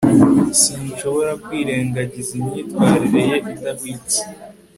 sinshobora kwirengagiza imyitwarire ye idahwitse